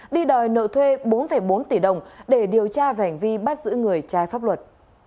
đi đòi nợ thuê bốn bốn tỷ đồng để điều tra về hành vi bắt giữ người trái pháp luật